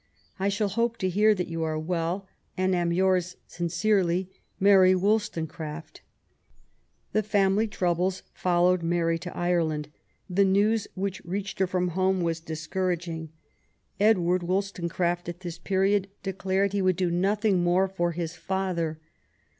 I shall hope to hear that you are well, and am yours sincerely, MjlBt Wollstonecsaft. The family troubles followed Mary to Ireland. The news which reached her from home was discouraging. Edward Wollstonecraft at this period declared he 58 MAEY W0LL8T0NECBAFT GODWIN. would do nothing more for his father.